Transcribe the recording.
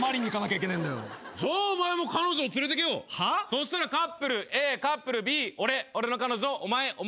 そしたらカップルＡカップルＢ俺俺の彼女お前お前の彼女。